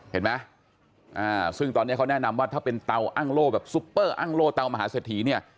เห็นไหมซึ่งตอนนี้เขาแนะนำว่าถ้าเป็นเตาอ้างโล่แบบซุปเปอร์อ้างโล่ตามหาเศรษฐีเนี่ย